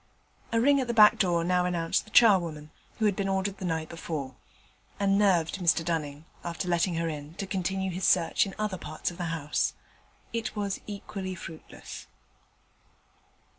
A ring at the back door now announced the charwoman, who had been ordered the night before, and nerved Mr Dunning, after letting her in, to continue his search in other parts of the house. It was equally fruitless.